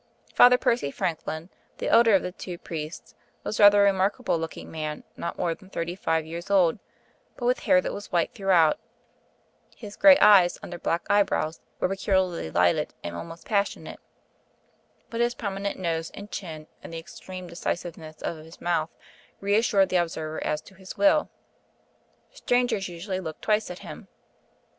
Father Percy Franklin, the elder of the two priests, was rather a remarkable looking man, not more than thirty five years old, but with hair that was white throughout; his grey eyes, under black eyebrows, were peculiarly bright and almost passionate; but his prominent nose and chin and the extreme decisiveness of his mouth reassured the observer as to his will. Strangers usually looked twice at him.